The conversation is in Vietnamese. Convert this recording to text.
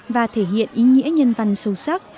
và thể hiện ý nghĩa nhân văn sâu sắc